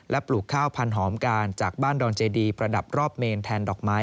ปลูกข้าวพันธอมการจากบ้านดอนเจดีประดับรอบเมนแทนดอกไม้